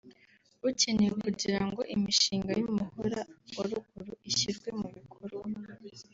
bukenewe kugira ngo imishinga y’umuhora wa ruguru ishyirwe mu bikorwa